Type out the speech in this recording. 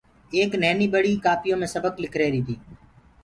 ايڪ نهيني ٻڙي ڪآپيو مي سبڪُ لک ريهريٚ تيٚ